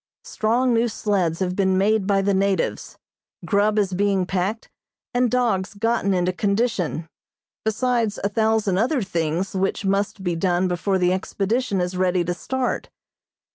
Strong new sleds have been made by the natives, grub is being packed and dogs gotten into condition, besides a thousand other things which must be done before the expedition is ready to start.